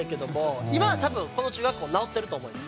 今はこの中学校直ってると思います。